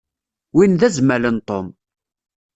Win d azmal n Tom.